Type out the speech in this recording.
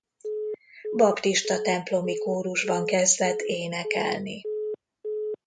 Baptista templomi kórusban kezdett énekelni.